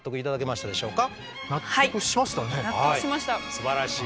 すばらしい。